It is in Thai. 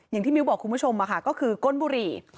อย่างที่มิวบอกคุณผู้ชมค่ะก็คือก้นบุหรี่